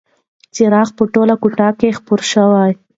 څراغ په ټوله کوټه کې خپره شوه.